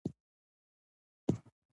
رسوب د ټولو افغان ښځو په ژوند کې هم رول لري.